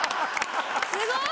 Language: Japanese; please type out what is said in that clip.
すごい！